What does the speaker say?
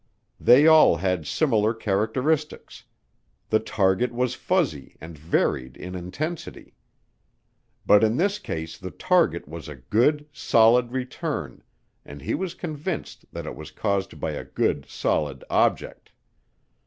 They all had similar characteristics the target was "fuzzy" and varied in intensity. But in this case the target was a good, solid return and he was convinced that it was caused by a good, solid object.